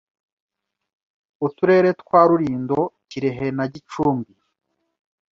Uturere twa Rulindo, Kirehe na Gicumbi